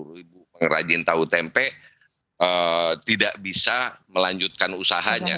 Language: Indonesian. satu ratus lima puluh ribu pengrajin tahu tempe tidak bisa melanjutkan usahanya